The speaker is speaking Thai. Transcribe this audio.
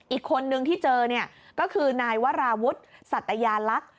อีกคนนึงที่เจอเนี่ยก็คือนายวราวุฒิสัตยาลักษณ์